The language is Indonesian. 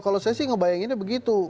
kalau saya sih ngebayanginnya begitu